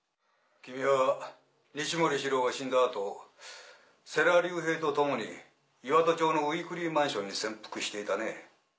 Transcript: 君は西森史郎が死んだあと世良隆平と共に岩戸町のウィークリーマンションに潜伏していたね。